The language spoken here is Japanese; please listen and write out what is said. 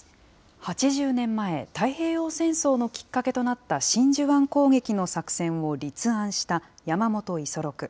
８０年前、太平洋戦争のきっかけとなった真珠湾攻撃の作戦を立案した山本五十六。